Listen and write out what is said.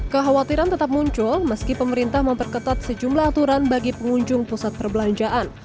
kekhawatiran tetap muncul meski pemerintah memperketat sejumlah aturan bagi pengunjung pusat perbelanjaan